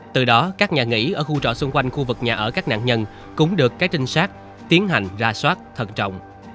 từ đó các nhà nghỉ ở khu trọ xung quanh khu vực nhà ở các nạn nhân cũng được các trinh sát tiến hành ra soát thận trọng